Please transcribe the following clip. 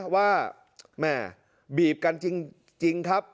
ว่าแม่บีบกันจริงครับ